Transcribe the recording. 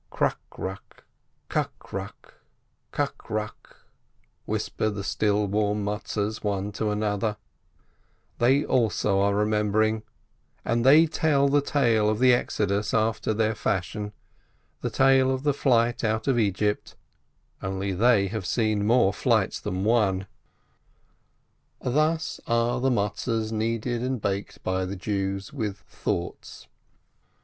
Kuk ruk, kuk ruk, ruk ruk, whisper the still warm Matzes one to another ; they also are remembering, and they tell the tale of the Exodus after their fashion, the tale of the flight out of Egypt — only they have seen more flights than one. 262 STEINBERG Thus are the Maizes kneaded and baked by the Jews, with "thoughts."